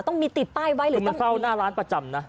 ต้องมีติดป้ายไว้หรือจะเข้าหน้าร้านประจำนะ